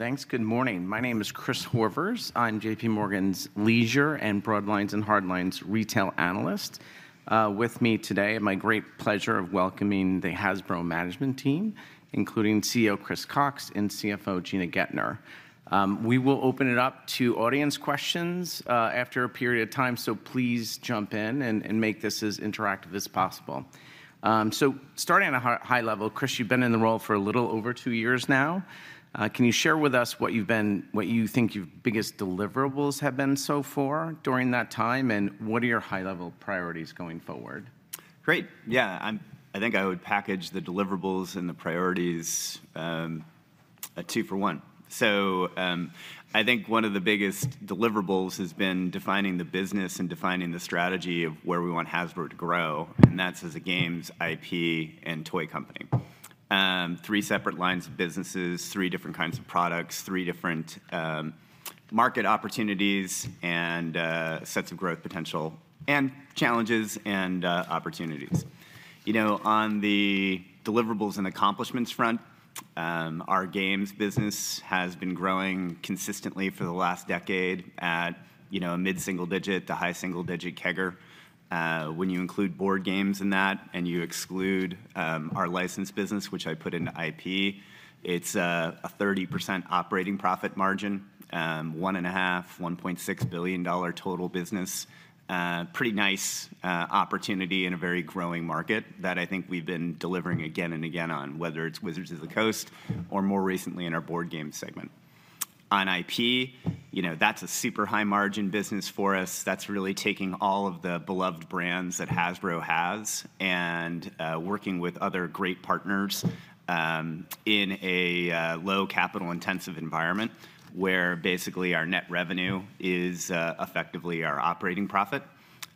Thanks. Good morning. My name is Chris Horvers. I'm JPMorgan's Leisure and Broadlines and Hardlines retail analyst. With me today, my great pleasure of welcoming the Hasbro management team, including CEO Chris Cocks and CFO Gina Goetter. We will open it up to audience questions after a period of time, so please jump in and make this as interactive as possible. So starting at a high level, Chris, you've been in the role for a little over two years now. Can you share with us what you think your biggest deliverables have been so far during that time, and what are your high-level priorities going forward? Great. Yeah, I think I would package the deliverables and the priorities, a 2-for-1. So, I think one of the biggest deliverables has been defining the business and defining the strategy of where we want Hasbro to grow, and that's as a games, IP, and toy company. Three separate lines of businesses, three different kinds of products, three different market opportunities, and sets of growth potential, and challenges and opportunities. You know, on the deliverables and accomplishments front, our games business has been growing consistently for the last decade at, you know, a mid-single-digit to high single-digit CAGR. When you include board games in that, and you exclude our licensed business, which I put into IP, it's a 30% operating profit margin, $1.5-$1.6 billion-dollar total business. Pretty nice opportunity in a very growing market that I think we've been delivering again and again on, whether it's Wizards of the Coast or more recently in our board game segment. On IP, you know, that's a super high margin business for us. That's really taking all of the beloved brands that Hasbro has and, working with other great partners, in a, low capital intensive environment, where basically our net revenue is, effectively our operating profit.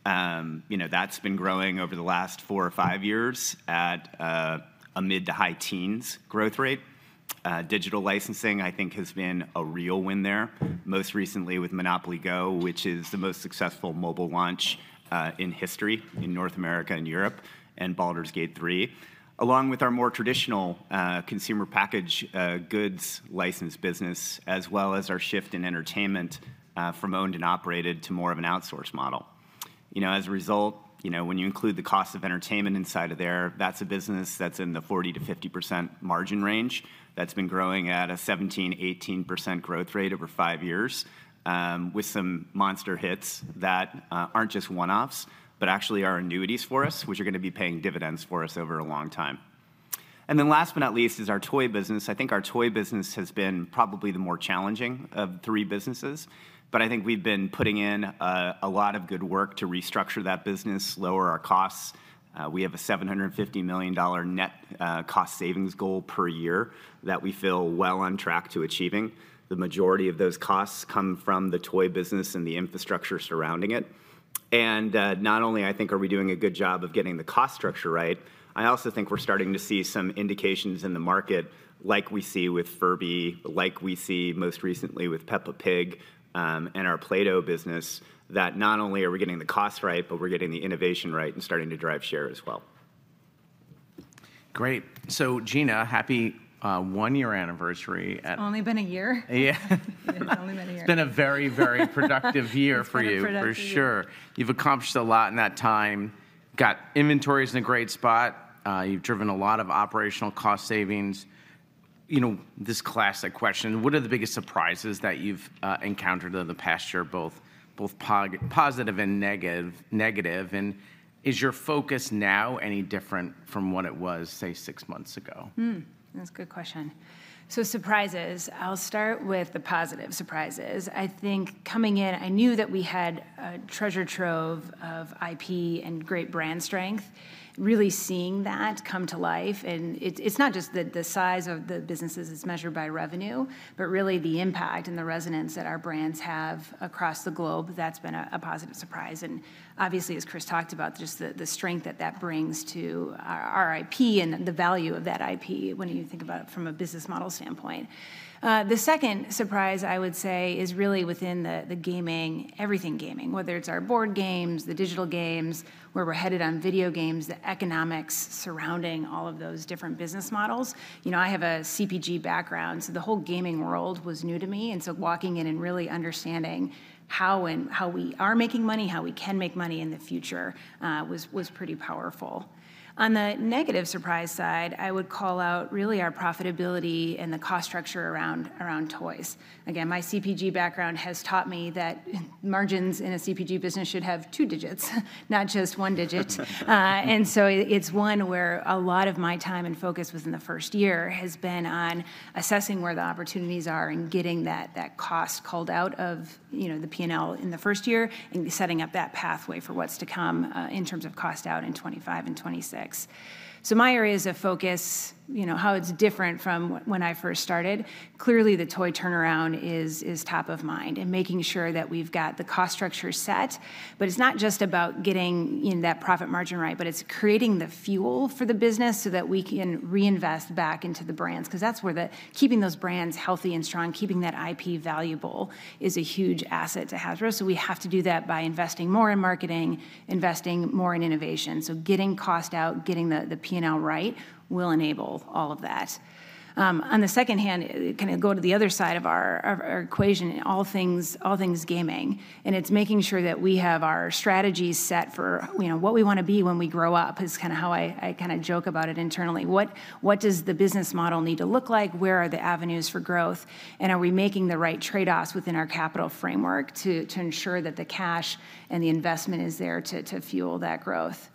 You know, that's been growing over the last four or five years at, a mid to high teens growth rate. Digital licensing, I think, has been a real win there. Most recently with MONOPOLY GO!, which is the most successful mobile launch in history in North America and Europe, and Baldur's Gate 3, along with our more traditional consumer packaged goods licensing business, as well as our shift in entertainment from owned and operated to more of an outsourced model. You know, as a result, you know, when you include the cost of entertainment inside of there, that's a business that's in the 40%-50% margin range, that's been growing at a 17%-18% growth rate over five years, with some monster hits that aren't just one-offs, but actually are annuities for us, which are gonna be paying dividends for us over a long time. And then last but not least is our toy business. I think our toy business has been probably the more challenging of the three businesses, but I think we've been putting in a lot of good work to restructure that business, lower our costs. We have a $750 million net cost savings goal per year that we feel well on track to achieving. The majority of those costs come from the toy business and the infrastructure surrounding it. Not only I think are we doing a good job of getting the cost structure right, I also think we're starting to see some indications in the market like we see with Furby, like we see most recently with Peppa Pig, and our Play-Doh business, that not only are we getting the cost right, but we're getting the innovation right and starting to drive share as well. Great. So, Gina, happy one-year anniversary at- It's only been a year? Yeah. It's only been a year. It's been a very, very productive year for you- It's been a productive year. For sure. You've accomplished a lot in that time, got inventories in a great spot. You've driven a lot of operational cost savings. You know, this classic question: What are the biggest surprises that you've encountered over the past year, both positive and negative? And is your focus now any different from what it was, say, six months ago? Hmm, that's a good question. So surprises, I'll start with the positive surprises. I think coming in, I knew that we had a treasure trove of IP and great brand strength. Really seeing that come to life, and it's not just the size of the businesses as measured by revenue, but really the impact and the resonance that our brands have across the globe. That's been a positive surprise. And obviously, as Chris talked about, just the strength that that brings to our IP and the value of that IP when you think about it from a business model standpoint. The second surprise, I would say, is really within the gaming, everything gaming, whether it's our board games, the digital games, where we're headed on video games, the economics surrounding all of those different business models. You know, I have a CPG background, so the whole gaming world was new to me, and so walking in and really understanding how and how we are making money, how we can make money in the future was pretty powerful. On the negative surprise side, I would call out really our profitability and the cost structure around toys. Again, my CPG background has taught me that margins in a CPG business should have two digits, not just one digit. And so it's one where a lot of my time and focus was in the first year has been on assessing where the opportunities are and getting that cost culled out of, you know, the P&L in the first year, and setting up that pathway for what's to come in terms of cost out in 2025 and 2026. So my areas of focus, you know, how it's different from when I first started, clearly, the toy turnaround is top of mind and making sure that we've got the cost structure set. But it's not just about getting, you know, that profit margin right, but it's creating the fuel for the business so that we can reinvest back into the brands, 'cause that's where the keeping those brands healthy and strong, keeping that IP valuable, is a huge asset to Hasbro. So we have to do that by investing more in marketing, investing more in innovation. So getting cost out, getting the P&L right, will enable all of that. On the second hand, kind of go to the other side of our equation, all things gaming, and it's making sure that we have our strategies set for, you know, what we want to be when we grow up, is kind of how I kind of joke about it internally. What does the business model need to look like? Where are the avenues for growth? And are we making the right trade-offs within our capital framework to ensure that the cash and the investment is there to fuel that growth?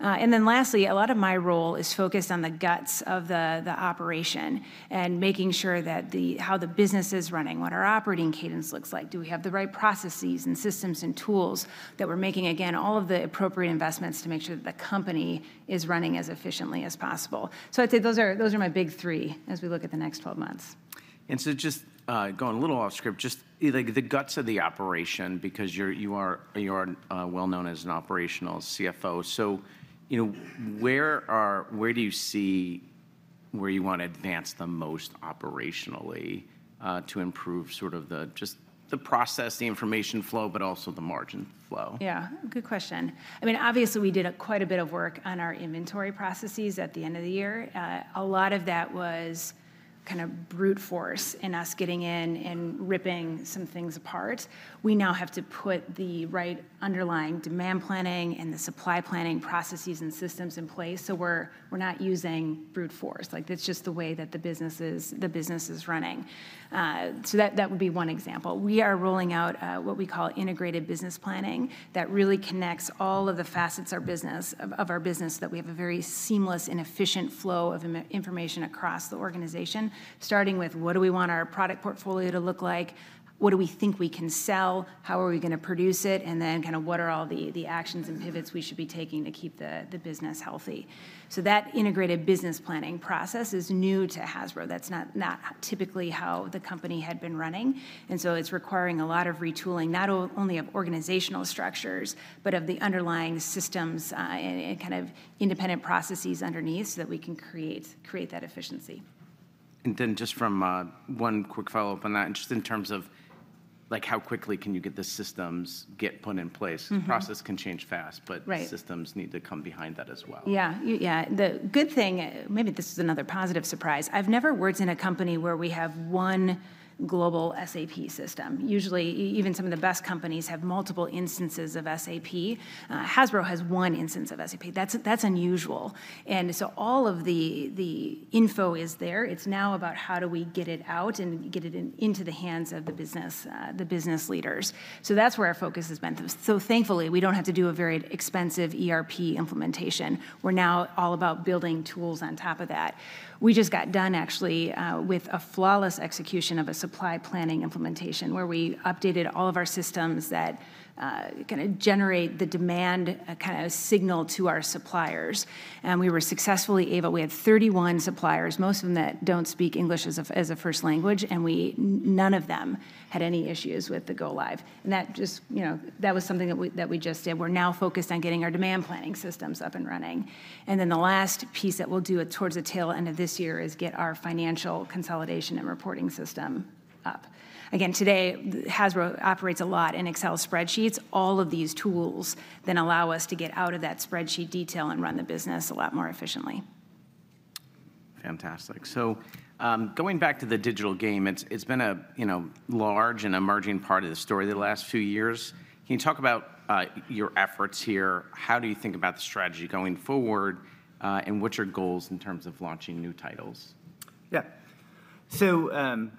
And then lastly, a lot of my role is focused on the guts of the operation and making sure that how the business is running, what our operating cadence looks like. Do we have the right processes and systems and tools that we're making, again, all of the appropriate investments to make sure that the company is running as efficiently as possible? So I'd say those are, those are my big three as we look at the next twelve months. Just going a little off script, just like the guts of the operation, because you are well known as an operational CFO. So, you know, where you want to advance the most operationally, to improve sort of just the process, the information flow, but also the margin flow? Yeah, good question. I mean, obviously we did quite a bit of work on our inventory processes at the end of the year. A lot of that was kind of brute force in us getting in and ripping some things apart. We now have to put the right underlying demand planning and the supply planning processes and systems in place, so we're not using brute force. Like, that's just the way that the business is running. So that would be one example. We are rolling out what we call Integrated Business Planning that really connects all of the facets of our business that we have a very seamless and efficient flow of information across the organization, starting with: What do we want our product portfolio to look like? What do we think we can sell? How are we gonna produce it? And then kind of what are all the actions and pivots we should be taking to keep the business healthy? So that Integrated Business Planning process is new to Hasbro. That's not typically how the company had been running, and so it's requiring a lot of retooling, not only of organizational structures, but of the underlying systems, and kind of independent processes underneath, so that we can create that efficiency. And then just from one quick follow-up on that, just in terms of, like, how quickly can you get the systems put in place? Mm-hmm. Process can change fast, but- Right -systems need to come behind that as well. Yeah. Yeah, the good thing, maybe this is another positive surprise. I've never worked in a company where we have one global SAP system. Usually, even some of the best companies have multiple instances of SAP. Hasbro has one instance of SAP. That's unusual, and so all of the info is there. It's now about how do we get it out and get it into the hands of the business, the business leaders? So that's where our focus has been. So thankfully, we don't have to do a very expensive ERP implementation. We're now all about building tools on top of that. We just got done actually with a flawless execution of a supply planning implementation, where we updated all of our systems that kinda generate the demand kind of signal to our suppliers, and we were successfully able to. We had 31 suppliers, most of them that don't speak English as a first language, and none of them had any issues with the go live. And that just, you know, that was something that we just did. We're now focused on getting our demand planning systems up and running. And then the last piece that we'll do towards the tail end of this year is get our financial consolidation and reporting system up. Again, today, Hasbro operates a lot in Excel spreadsheets. All of these tools then allow us to get out of that spreadsheet detail and run the business a lot more efficiently. Fantastic. So, going back to the digital game, it's been a, you know, large and emerging part of the story the last few years. Can you talk about your efforts here? How do you think about the strategy going forward, and what's your goals in terms of launching new titles? Yeah. So,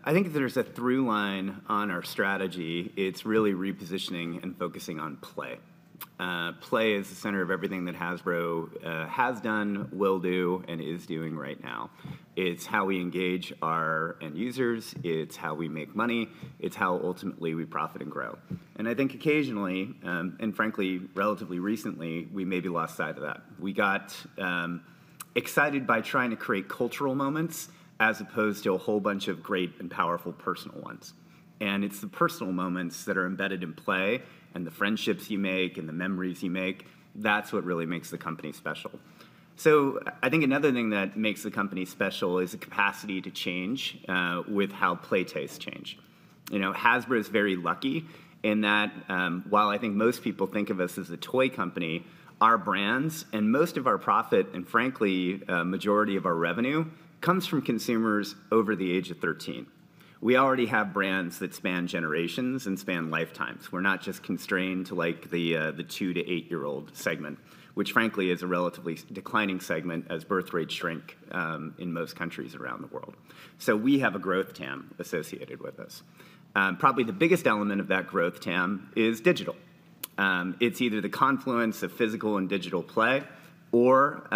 I think if there's a through line on our strategy, it's really repositioning and focusing on play. Play is the center of everything that Hasbro has done, will do, and is doing right now. It's how we engage our end users. It's how we make money. It's how ultimately we profit and grow, and I think occasionally, and frankly, relatively recently, we maybe lost sight of that. We got excited by trying to create cultural moments as opposed to a whole bunch of great and powerful personal ones, and it's the personal moments that are embedded in play and the friendships you make and the memories you make, that's what really makes the company special. So I think another thing that makes the company special is the capacity to change with how play tastes change. You know, Hasbro is very lucky in that, while I think most people think of us as a toy company, our brands and most of our profit, and frankly, a majority of our revenue, comes from consumers over the age of 13. We already have brands that span generations and span lifetimes. We're not just constrained to, like, the 2- to 8-year-old segment, which frankly is a relatively declining segment as birth rates shrink, in most countries around the world. So we have a growth TAM associated with us. Probably the biggest element of that growth TAM is digital. It's either the confluence of physical and digital play or,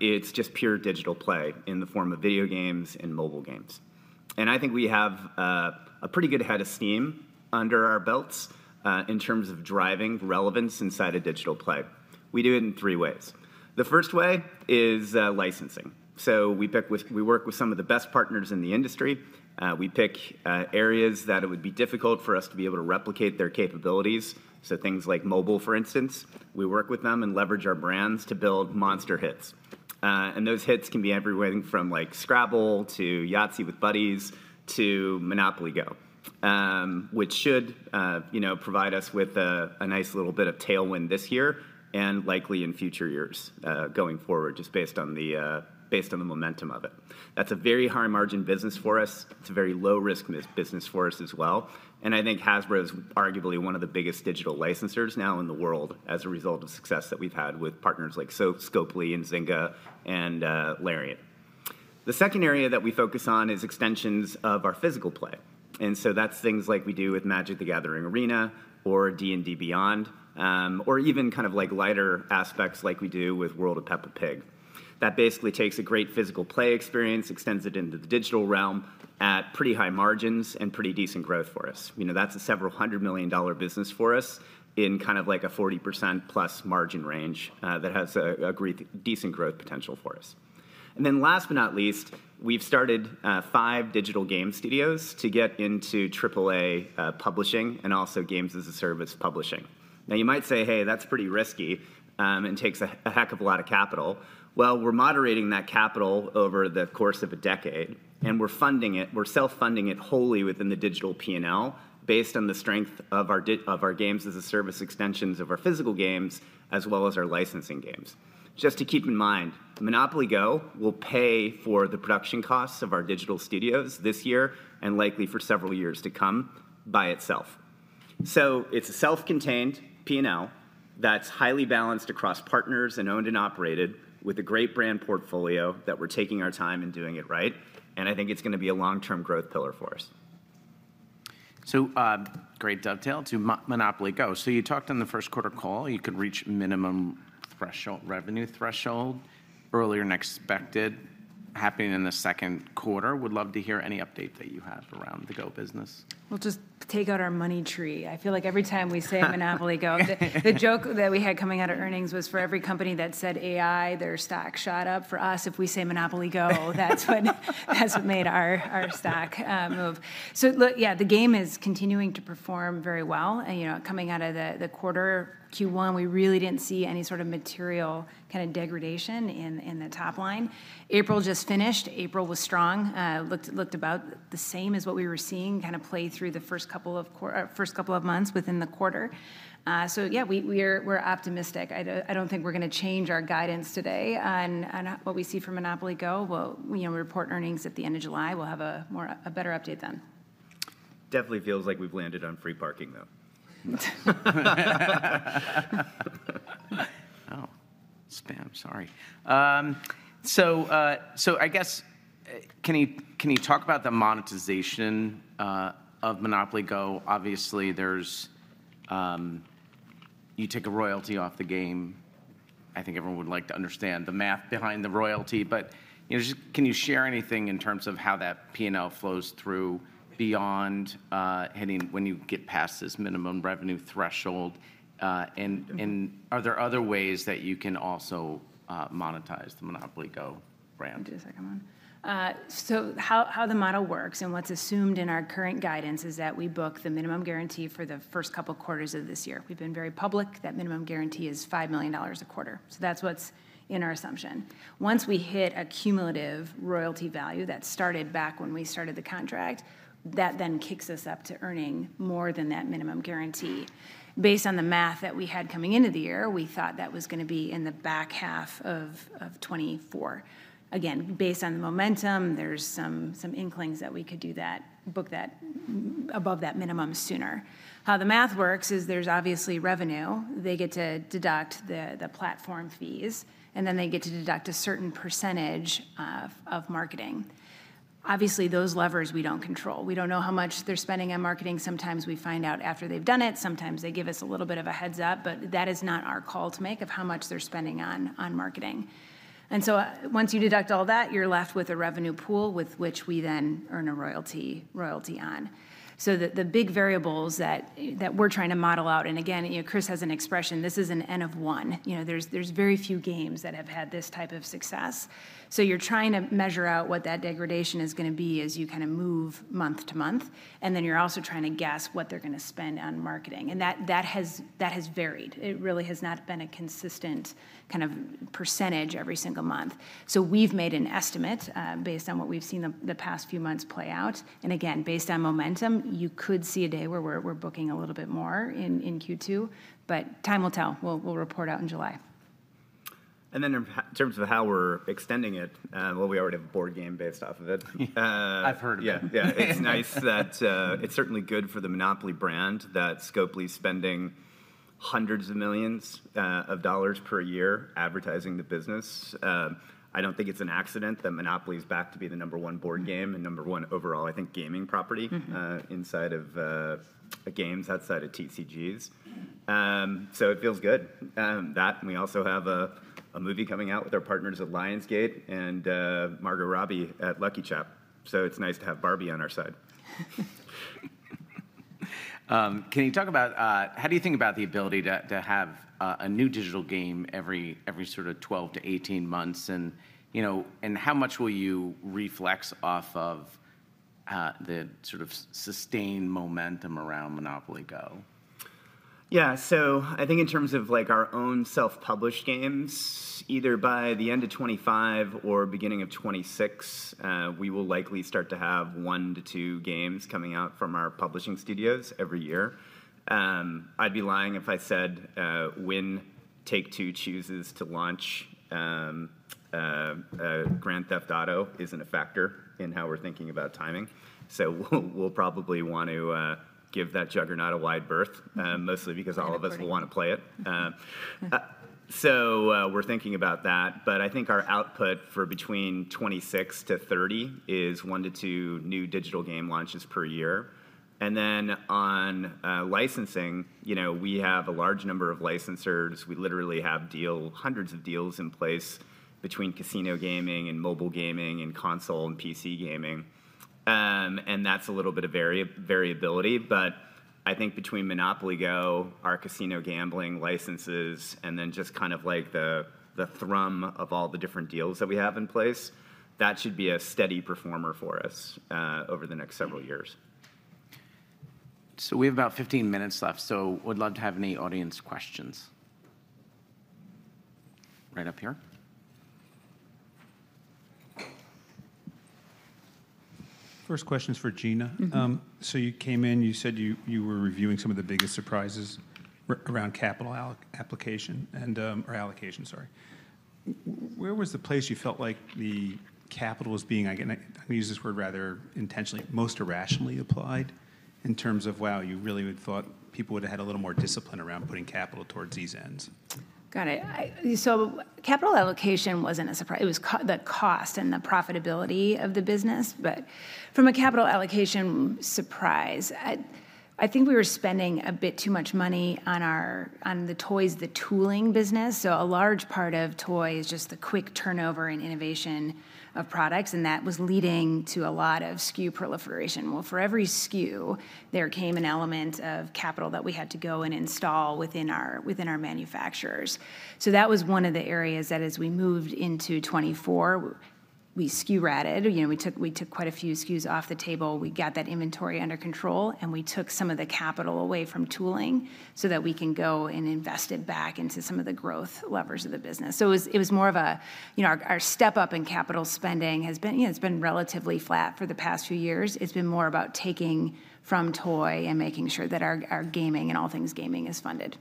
it's just pure digital play in the form of video games and mobile games. I think we have a pretty good head of steam under our belts in terms of driving relevance inside of digital play. We do it in three ways. The first way is licensing. So we work with some of the best partners in the industry. We pick areas that it would be difficult for us to be able to replicate their capabilities, so things like mobile, for instance. We work with them and leverage our brands to build monster hits, and those hits can be everywhere from, like, Scrabble to Yahtzee With Buddies to MONOPOLY GO!, which should, you know, provide us with a nice little bit of tailwind this year and likely in future years going forward, just based on the momentum of it. That's a very high-margin business for us. It's a very low-risk business for us as well, and I think Hasbro is arguably one of the biggest digital licensors now in the world as a result of success that we've had with partners like Scopely and Zynga and Larian. The second area that we focus on is extensions of our physical play, and so that's things like we do with Magic: The Gathering Arena or D&D Beyond, or even kind of like lighter aspects like we do with World of Peppa Pig. That basically takes a great physical play experience, extends it into the digital realm at pretty high margins and pretty decent growth for us. You know, that's a several hundred million dollar business for us in kind of like a 40%+ margin range, that has a great, decent growth potential for us. Then last but not least, we've started five digital game studios to get into triple-A publishing and also games as a service publishing. Now you might say, "Hey, that's pretty risky, and takes a heck of a lot of capital." Well, we're moderating that capital over the course of a decade, and we're funding it—we're self-funding it wholly within the digital P&L, based on the strength of our games as a service extensions of our physical games, as well as our licensing games. Just to keep in mind, MONOPOLY GO! will pay for the production costs of our digital studios this year, and likely for several years to come, by itself. It's a self-contained P&L that's highly balanced across partners and owned and operated, with a great brand portfolio, that we're taking our time and doing it right, and I think it's gonna be a long-term growth pillar for us. Great dovetail to MONOPOLY GO! So you talked on the first quarter call, you could reach minimum threshold, revenue threshold earlier than expected, happening in the second quarter. Would love to hear any update that you have around the GO! business. We'll just take out our money tree. I feel like every time we say MONOPOLY GO!, the joke that we had coming out of earnings was, for every company that said AI, their stock shot up. For us, if we say MONOPOLY GO! That's when, that's what made our stock move. So look, yeah, the game is continuing to perform very well. And, you know, coming out of the quarter, Q1, we really didn't see any sort of material kind of degradation in the top line. April just finished. April was strong. Looked about the same as what we were seeing kind of play through the first couple of months within the quarter. So yeah, we're optimistic. I don't think we're gonna change our guidance today on what we see for MONOPOLY GO! Well, you know, we report earnings at the end of July. We'll have a better update then. Definitely feels like we've landed on free parking, though. So I guess, can you, can you talk about the monetization of MONOPOLY GO!? Obviously, there's. You take a royalty off the game. I think everyone would like to understand the math behind the royalty, but, you know, just can you share anything in terms of how that P&L flows through beyond, hitting when you get past this minimum revenue threshold? And, and are there other ways that you can also monetize the MONOPOLY GO! brand? I'll do the second one. So how the model works, and what's assumed in our current guidance, is that we book the minimum guarantee for the first couple quarters of this year. We've been very public, that minimum guarantee is $5 million a quarter, so that's what's in our assumption. Once we hit a cumulative royalty value that started back when we started the contract, that then kicks us up to earning more than that minimum guarantee. Based on the math that we had coming into the year, we thought that was gonna be in the back half of 2024. Again, based on the momentum, there's some inklings that we could do that, book that above that minimum sooner. How the math works is there's obviously revenue. They get to deduct the platform fees, and then they get to deduct a certain percentage of marketing. Obviously, those levers we don't control. We don't know how much they're spending on marketing. Sometimes we find out after they've done it, sometimes they give us a little bit of a heads-up, but that is not our call to make of how much they're spending on marketing. And so, once you deduct all that, you're left with a revenue pool with which we then earn a royalty on. So the big variables that we're trying to model out, and again, you know, Chris has an expression, "This is an N of one." You know, there's very few games that have had this type of success. So you're trying to measure out what that degradation is gonna be as you kind of move month to month, and then you're also trying to guess what they're gonna spend on marketing, and that has varied. It really has not been a consistent kind of percentage every single month. So we've made an estimate based on what we've seen the past few months play out, and again, based on momentum, you could see a day where we're booking a little bit more in Q2, but time will tell. We'll report out in July. Then, in terms of how we're extending it, well, we already have a board game based off of it. I've heard of it. Yeah, yeah. It's nice that It's certainly good for the Monopoly brand, that Scopely's spending hundreds of millions of dollars per year advertising the business. I don't think it's an accident that Monopoly's back to be the number one board game, and number one overall, I think, gaming property- Mm-hmm -inside of, games outside of TCGs. So it feels good. That, and we also have a, a movie coming out with our partners at Lionsgate and Margot Robbie at LuckyChap, so it's nice to have Barbie on our side. Can you talk about how do you think about the ability to have a new digital game every sort of 12-18 months, and, you know, and how much will you reflect off of the sort of sustained momentum around MONOPOLY GO!? Yeah, so I think in terms of, like, our own self-published games, either by the end of 2025 or beginning of 2026, we will likely start to have 1-2 games coming out from our publishing studios every year. I'd be lying if I said when Take-Two chooses to launch Grand Theft Auto isn't a factor in how we're thinking about timing, so we'll probably want to give that juggernaut a wide berth, mostly because- Exactly -all of us will want to play it. So, we're thinking about that, but I think our output for between 2026 to 2030 is 1-2 new digital game launches per year. And then on licensing, you know, we have a large number of licensors. We literally have deals, hundreds of deals in place between casino gaming and mobile gaming and console and PC gaming. And that's a little bit of variability, but I think between MONOPOLY GO!, our casino gambling licenses, and then just kind of, like, the thrum of all the different deals that we have in place, that should be a steady performer for us over the next several years. We have about 15 minutes left, so would love to have any audience questions. Right up here. First question is for Gina. Mm-hmm. So you came in, you said you were reviewing some of the biggest surprises around capital allocation, sorry. Where was the place you felt like the capital was being, again, I use this word rather intentionally, most irrationally applied in terms of, wow, you really would've thought people would've had a little more discipline around putting capital towards these ends? Got it. So capital allocation wasn't a surprise. It was the cost and the profitability of the business, but from a capital allocation surprise, I think we were spending a bit too much money on the toys, the tooling business. So a large part of toy is just the quick turnover and innovation of products, and that was leading to a lot of SKU proliferation. Well, for every SKU, there came an element of capital that we had to go and install within our manufacturers. So that was one of the areas that, as we moved into 2024, we SKU rationalized. You know, we took quite a few SKUs off the table. We got that inventory under control, and we took some of the capital away from tooling so that we can go and invest it back into some of the growth levers of the business. So it was more of a, you know, our step up in capital spending has been, you know, it's been relatively flat for the past few years. It's been more about taking from toy and making sure that our gaming and all things gaming is funded.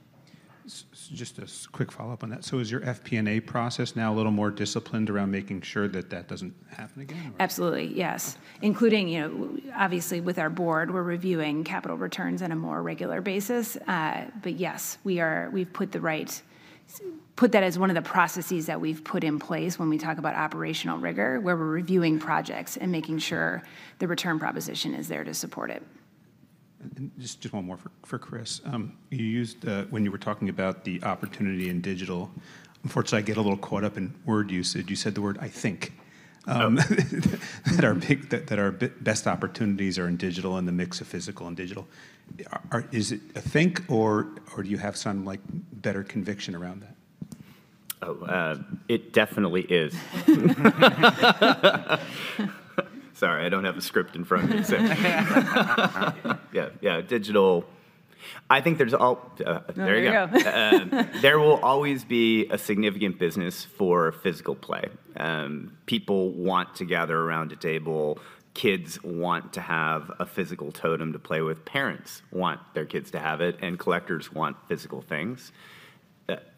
Just a quick follow-up on that. So is your FP&A process now a little more disciplined around making sure that that doesn't happen again? Absolutely, yes. Including, you know, obviously, with our board, we're reviewing capital returns on a more regular basis. But yes, we've put that as one of the processes that we've put in place when we talk about operational rigor, where we're reviewing projects and making sure the return proposition is there to support it. And just one more for Chris. You used when you were talking about the opportunity in digital. Unfortunately, I get a little caught up in word usage. You said the word, "I think." Oh. That our best opportunities are in digital and the mix of physical and digital. Is it a thing, or do you have some, like, better conviction around that? Oh, it definitely is. Sorry, I don't have a script in front of me, so yeah. Yeah, yeah, digital. I think there's there we go. There we go. There will always be a significant business for physical play. People want to gather around a table, kids want to have a physical totem to play with, parents want their kids to have it, and collectors want physical things.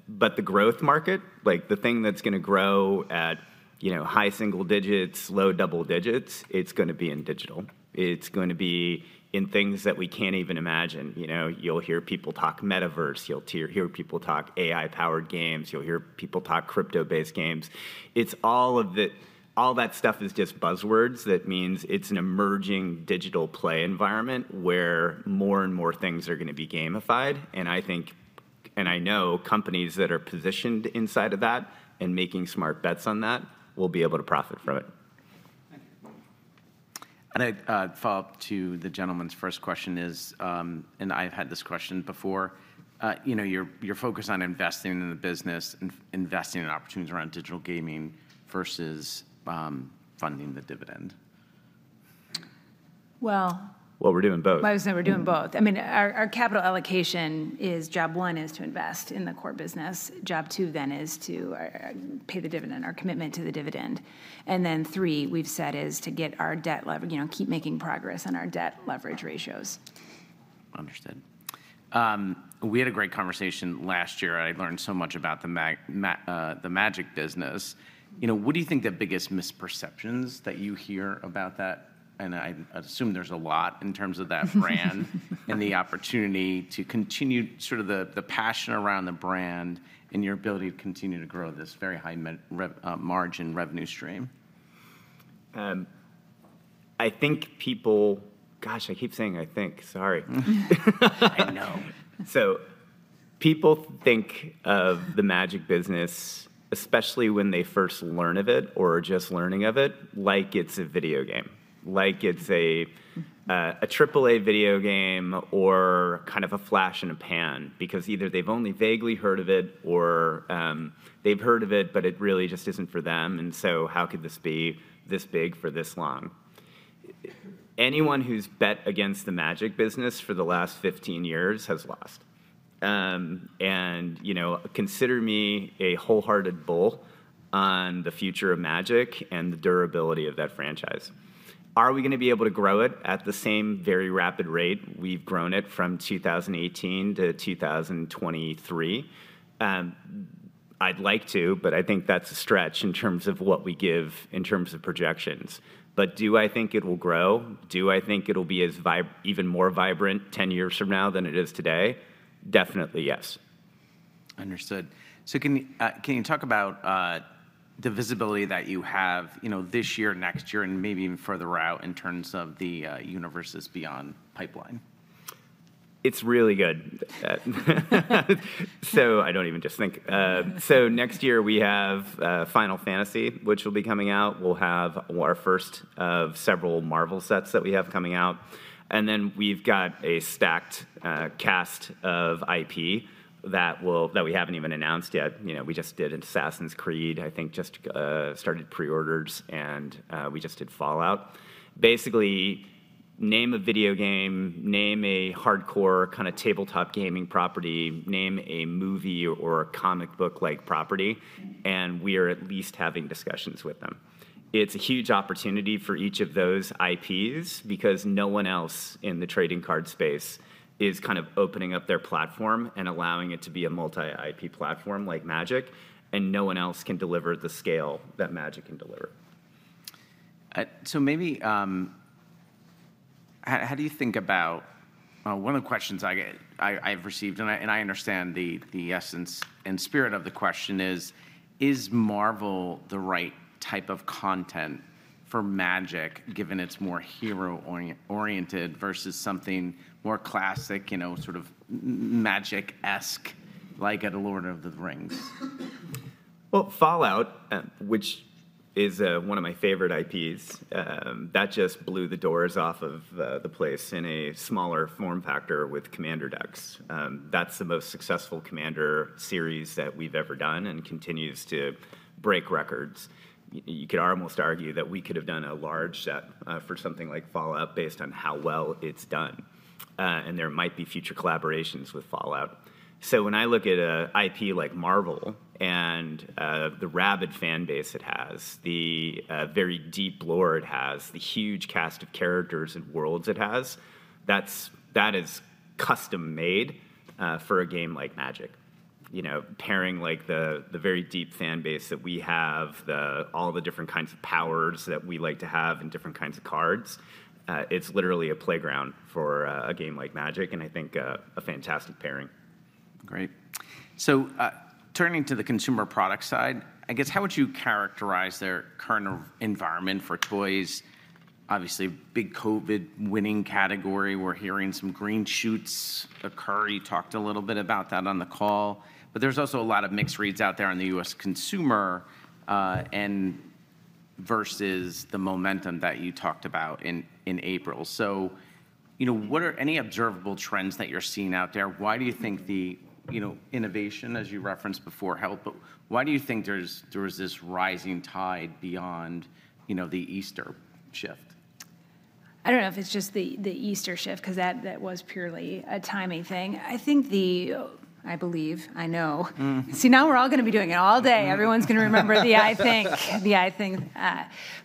But the growth market, like the thing that's going to grow at, you know, high single-digits, low double-digits, it's going to be in digital. It's going to be in things that we can't even imagine. You know, you'll hear people talk metaverse, you'll hear people talk AI-powered games, you'll hear people talk crypto-based games. It's all that stuff is just buzzwords that means it's an emerging digital play environment where more and more things are going to be gamified, and I think, and I know companies that are positioned inside of that and making smart bets on that will be able to profit from it. Thank you. A follow-up to the gentleman's first question is. I've had this question before. You know, your focus on investing in the business, investing in opportunities around digital gaming versus funding the dividend. Well- Well, we're doing both. I was going to say, we're doing both. Mm-hmm. I mean, our capital allocation is, job one is to invest in the core business. Job two then is to pay the dividend, our commitment to the dividend, and then three, we've said, is to get our debt leverage, you know, keep making progress on our debt leverage ratios. Understood. We had a great conversation last year. I learned so much about the Magic business. You know, what do you think the biggest misperceptions that you hear about that? And I assume there's a lot in terms of that brand and the opportunity to continue sort of the passion around the brand and your ability to continue to grow this very high margin revenue stream. I think people. Gosh, I keep saying, "I think," sorry. I know. So people think of the Magic business, especially when they first learn of it or are just learning of it, like it's a video game, like it's a, a triple-A video game or kind of a flash in the pan because either they've only vaguely heard of it or, they've heard of it, but it really just isn't for them, and so how could this be this big for this long? Anyone who's bet against the Magic business for the last 15 years has lost. And, you know, consider me a wholehearted bull on the future of Magic and the durability of that franchise. Are we going to be able to grow it at the same very rapid rate we've grown it from 2018 to 2023? I'd like to, but I think that's a stretch in terms of what we give in terms of projections. Do I think it will grow? Do I think it'll be as vibrant, even more vibrant ten years from now than it is today? Definitely, yes. Understood. So can you talk about the visibility that you have, you know, this year, next year, and maybe even further out in terms of the Universes Beyond pipeline? It's really good. So I don't even just think. So next year we have Final Fantasy, which will be coming out. We'll have our first of several Marvel sets that we have coming out, and then we've got a stacked cast of IP that we haven't even announced yet. You know, we just did Assassin's Creed, I think, just started pre-orders, and we just did Fallout. Basically name a video game, name a hardcore kind of tabletop gaming property, name a movie or a comic book-like property, and we are at least having discussions with them. It's a huge opportunity for each of those IPs, because no one else in the trading card space is kind of opening up their platform and allowing it to be a multi-IP platform like Magic, and no one else can deliver the scale that Magic can deliver. So maybe, how do you think about. One of the questions I get, I've received, and I understand the essence and spirit of the question is: Is Marvel the right type of content for Magic, given it's more hero-oriented versus something more classic, you know, sort of Magic-esque, like a Lord of the Rings? Well, Fallout, which is one of my favorite IPs, that just blew the doors off of the place in a smaller form factor with Commander Decks. That's the most successful Commander series that we've ever done and continues to break records. You could almost argue that we could have done a large set for something like Fallout based on how well it's done, and there might be future collaborations with Fallout. So when I look at an IP like Marvel and the rabid fan base it has, the very deep lore it has, the huge cast of characters and worlds it has, that is custom-made for a game like Magic. You know, pairing, like, the very deep fan base that we have, the all the different kinds of powers that we like to have and different kinds of cards. It's literally a playground for a game like Magic, and I think a fantastic pairing. Great. So, turning to the consumer product side, I guess, how would you characterize their current environment for toys? Obviously, big COVID winning category. We're hearing some green shoots occur. You talked a little bit about that on the call, but there's also a lot of mixed reads out there on the U.S. consumer, and versus the momentum that you talked about in April. So, you know, what are any observable trends that you're seeing out there? Why do you think there's, there is this rising tide beyond, you know, the Easter shift? I don't know if it's just the Easter shift, 'cause that was purely a timing thing. I think the. I believe, I know. Mm. See, now we're all gonna be doing it all day. Mm.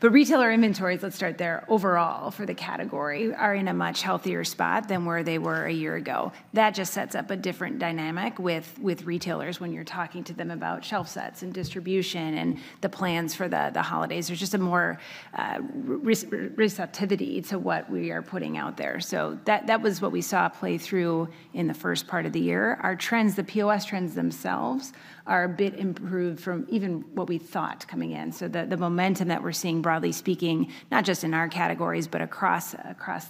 But retailer inventories, let's start there, overall for the category, are in a much healthier spot than where they were a year ago. That just sets up a different dynamic with retailers when you're talking to them about shelf sets, and distribution, and the plans for the holidays. There's just a more receptivity to what we are putting out there, so that was what we saw play through in the first part of the year. Our trends, the POS trends themselves, are a bit improved from even what we thought coming in, so the momentum that we're seeing, broadly speaking, not just in our categories, but across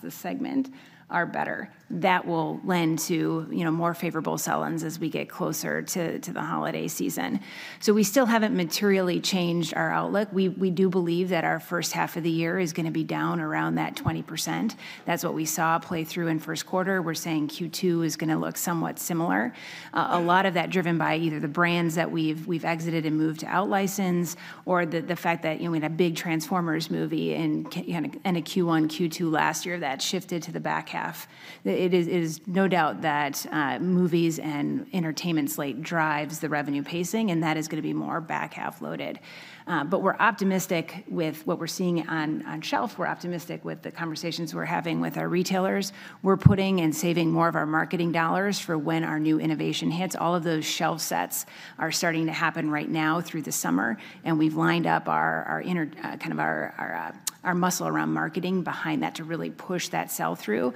the segment, are better. That will lend to, you know, more favorable sell-ins as we get closer to the holiday season. So we still haven't materially changed our outlook. We do believe that our first half of the year is gonna be down around that 20%. That's what we saw play through in first quarter. We're saying Q2 is gonna look somewhat similar. A lot of that driven by either the brands that we've exited and moved to out-license, or the fact that, you know, we had a big Transformers movie in Q1, Q2 last year that shifted to the back half. It is no doubt that movies and entertainment slate drives the revenue pacing, and that is gonna be more back-half loaded. But we're optimistic with what we're seeing on shelf. We're optimistic with the conversations we're having with our retailers. We're putting and saving more of our marketing dollars for when our new innovation hits. All of those shelf sets are starting to happen right now through the summer, and we've lined up our internal muscle around marketing behind that to really push that sell-through.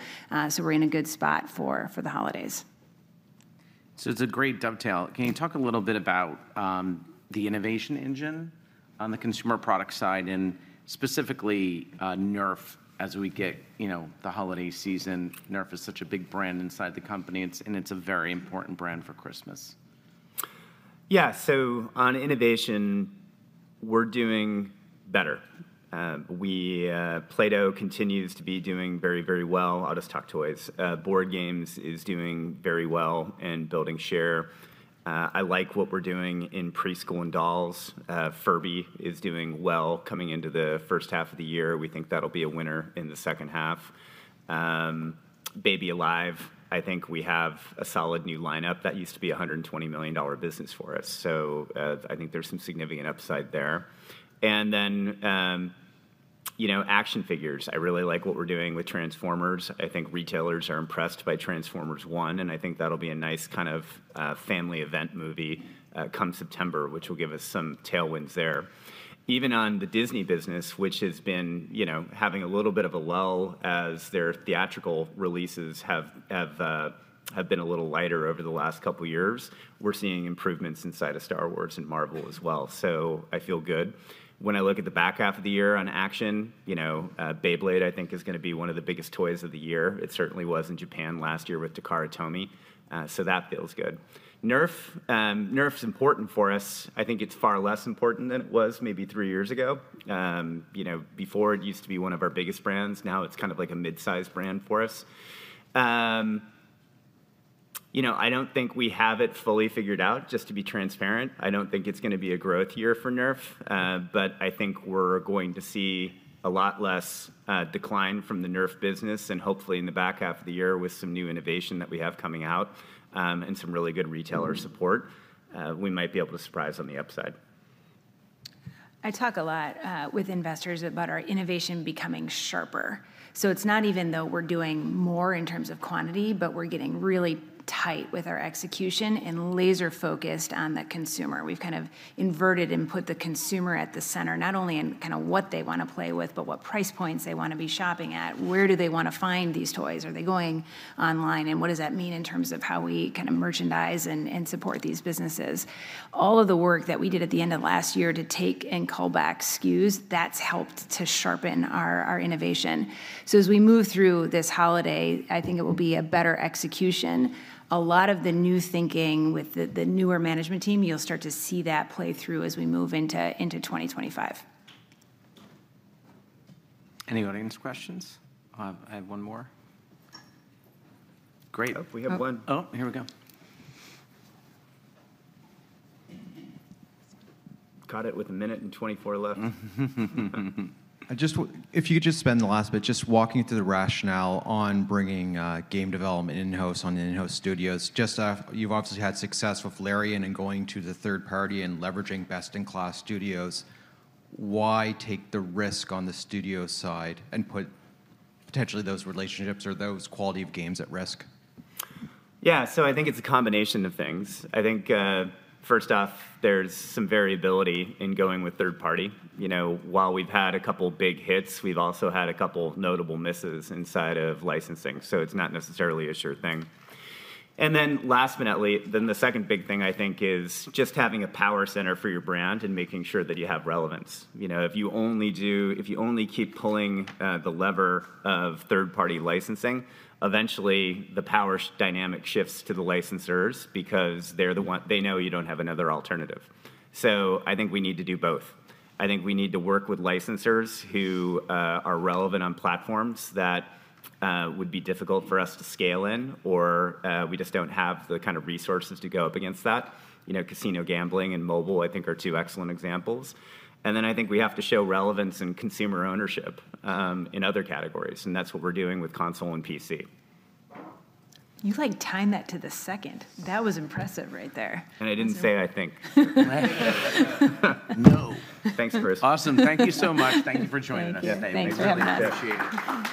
So we're in a good spot for the holidays. So it's a great dovetail. Can you talk a little bit about the innovation engine on the consumer product side and specifically Nerf as we get, you know, the holiday season? Nerf is such a big brand inside the company. It's and it's a very important brand for Christmas. Yeah. So on innovation, we're doing better. Play-Doh continues to be doing very, very well. I'll just talk toys. Board games is doing very well and building share. I like what we're doing in preschool and dolls. Furby is doing well coming into the first half of the year. We think that'll be a winner in the second half. Baby Alive, I think we have a solid new lineup. That used to be a $120 million business for us, so I think there's some significant upside there. And then, you know, action figures, I really like what we're doing with Transformers. I think retailers are impressed by Transformers One, and I think that'll be a nice kind of family event movie come September, which will give us some tailwinds there. Even on the Disney business, which has been, you know, having a little bit of a lull as their theatrical releases have been a little lighter over the last couple of years, we're seeing improvements inside of Star Wars and Marvel as well, so I feel good. When I look at the back half of the year on action, you know, Beyblade, I think, is gonna be one of the biggest toys of the year. It certainly was in Japan last year with Takara Tomy, so that feels good. Nerf, Nerf's important for us. I think it's far less important than it was maybe three years ago. You know, before, it used to be one of our biggest brands. Now, it's kind of like a mid-sized brand for us. You know, I don't think we have it fully figured out, just to be transparent. I don't think it's gonna be a growth year for Nerf, but I think we're going to see a lot less decline from the Nerf business, and hopefully in the back half of the year with some new innovation that we have coming out, and some really good retailer support. We might be able to surprise on the upside. I talk a lot with investors about our innovation becoming sharper. So it's not even though we're doing more in terms of quantity, but we're getting really tight with our execution and laser-focused on the consumer. We've kind of inverted and put the consumer at the center, not only in kind of what they wanna play with, but what price points they wanna be shopping at. Where do they wanna find these toys? Are they going online, and what does that mean in terms of how we kind of merchandise and support these businesses? All of the work that we did at the end of last year to take and call back SKUs, that's helped to sharpen our innovation. So as we move through this holiday, I think it will be a better execution. A lot of the new thinking with the newer management team, you'll start to see that play through as we move into 2025. Any audience questions? I have one more. Great.Oh, we have one. Oh, here we go. Got it with 1 minute and 24 left. If you could just spend the last bit just walking through the rationale on bringing game development in-house on the in-house studios. Just, you've obviously had success with Larian and going to the third party and leveraging best-in-class studios. Why take the risk on the studio side and put potentially those relationships or those quality of games at risk? Yeah, so I think it's a combination of things. I think, first off, there's some variability in going with third party. You know, while we've had a couple big hits, we've also had a couple notable misses inside of licensing, so it's not necessarily a sure thing. And then last but not least, the second big thing I think is just having a power center for your brand and making sure that you have relevance. You know, if you only keep pulling the lever of third-party licensing, eventually the power dynamic shifts to the licensors because they're the one. They know you don't have another alternative. So I think we need to do both. I think we need to work with licensors who are relevant on platforms that would be difficult for us to scale in, or we just don't have the kind of resources to go up against that. You know, casino gambling and mobile, I think, are two excellent examples. And then I think we have to show relevance and consumer ownership in other categories, and that's what we're doing with console and PC. You, like, timed that to the second. That was impressive right there. I didn't say, "I think. No! Thanks, Chris. Awesome. Thank you so much. Thank you for joining us. Thank you. Yeah, thanks. Thanks for having us. Really appreciate it.